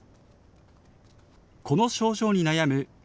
この症状に悩む笑